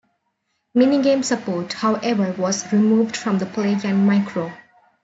Minigame support, however, was removed from the Play-Yan Micro.